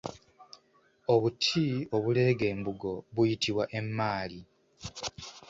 Obuti obuleega embugo buyitibwa emmaali